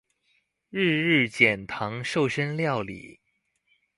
日日減醣瘦身料理